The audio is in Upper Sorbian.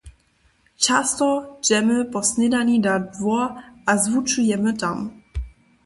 Často dźemy po snědani na dwór a zwučujemy tam.